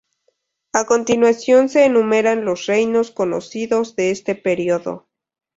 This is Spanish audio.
A continuación se enumeran los reinos conocidos de este periodo.